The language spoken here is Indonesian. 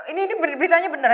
ini ini beritanya benar